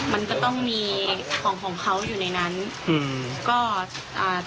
มันก็ต้องมีของเขาอยู่ในนั้น